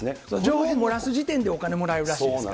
情報を漏らす時点でお金もらえるらしいですからね。